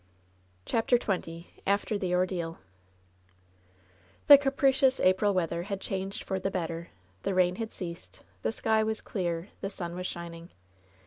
CHAPTER XX AFTER THE OBDSAI« The capricious April weather had changed for the better. The rain had ceased. The sky was clear. The sun was shining.